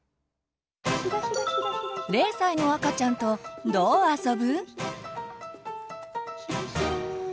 ０歳の赤ちゃんとどう遊ぶ？